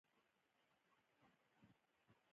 شرنګ د جام نشته